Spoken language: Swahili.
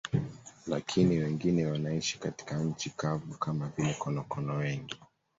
Lakini wengine wanaishi katika nchi kavu, kama vile konokono wengi.